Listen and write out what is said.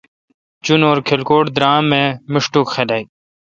جنور کلکوٹ درام اے میشٹوک خلق۔